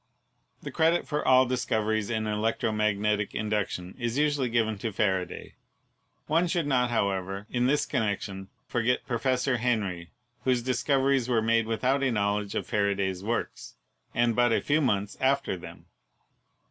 The credit for all discoveries in electromagnetic induc tion is usually given to Faraday. One should not, how ever, in this connection forget Professor Henry, whose discoveries were made without a knowledge of Faraday's works, and but a few months after them.